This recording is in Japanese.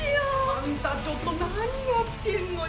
あんたちょっと何やってんのよ！